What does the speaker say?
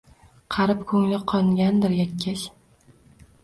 Qarib koʼngli qongandir yakkash.